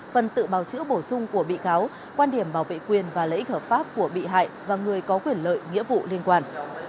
phần tự bào chữa bổ sung của bị cáo quan điểm bảo vệ quyền và lợi ích hợp pháp của bị hại và người có quyền lợi nghĩa vụ liên quan